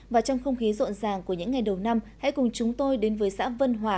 và trong không khí rộn ràng của những ngày đầu năm hãy cùng chúng tôi đến với xã vân hòa